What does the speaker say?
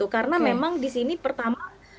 karena memang di sini pertama